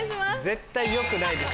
絶対良くないです。